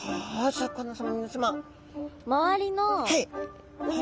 シャーク香音さま皆さま。